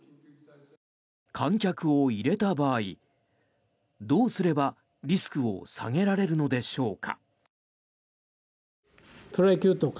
観客を入れた場合どうすればリスクを下げられるのでしょうか。